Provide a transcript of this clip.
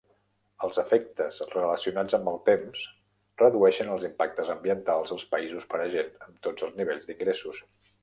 Els efectes relacionats amb el temps redueixen els impactes ambientals als països per a gent amb tots els nivells d'ingressos.